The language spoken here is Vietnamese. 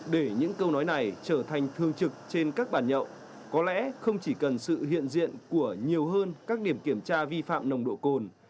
để những câu nói này trở thành thương trực trên các bàn nhậu có lẽ không chỉ cần sự hiện diện của nhiều hơn các điểm kiểm tra vi phạm nồng độ cồn